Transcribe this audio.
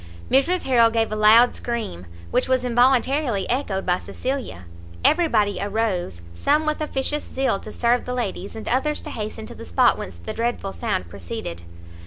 Mrs Harrel gave a loud scream, which was involuntarily echoed by, Cecilia; everybody arose, some with officious zeal to serve the ladies, and others to hasten to the spot whence the dreadful sound proceeded.